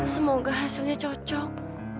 semoga hasilnya cocok